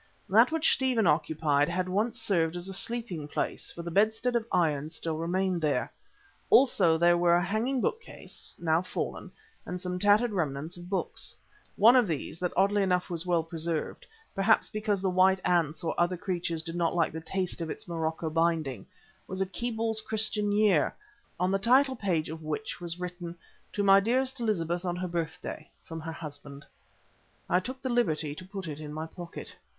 That which Stephen occupied had once served as a sleeping place, for the bedstead of iron still remained there. Also there were a hanging bookcase, now fallen, and some tattered remnants of books. One of these, that oddly enough was well preserved, perhaps because the white ants or other creatures did not like the taste of its morocco binding, was a Keble's Christian Year, on the title page of which was written, "To my dearest Elizabeth on her birthday, from her husband." I took the liberty to put it in my pocket.